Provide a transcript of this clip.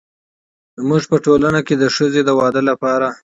زموږ په ټولنه کې د ښځې د واده لپاره